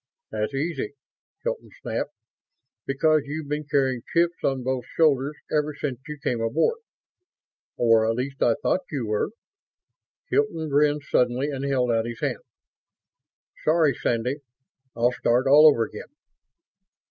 "That's easy!" Hilton snapped. "Because you've been carrying chips on both shoulders ever since you came aboard ... or at least I thought you were." Hilton grinned suddenly and held out his hand. "Sorry, Sandy I'll start all over again."